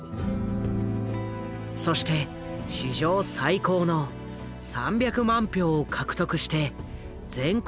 そして史上最高の３００万票を獲得して全国区でトップ当選。